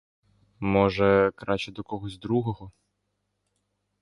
Може, краще до когось другого?